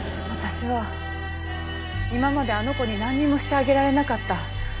私は今まであの子になんにもしてあげられなかった。